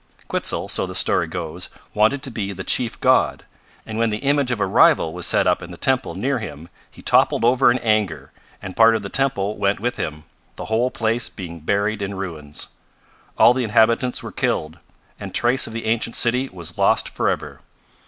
Quitzel, so the story goes, wanted to be the chief god, and when the image of a rival was set up in the temple near him, he toppled over in anger, and part of the temple went with him, the whole place being buried in ruins. All the inhabitants were killed, and trace of the ancient city was lost forever.